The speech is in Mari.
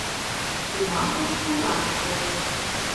Кумалтыш пужаш толын...